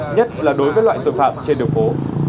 nhất là đối với loại tội phạm trên đường phố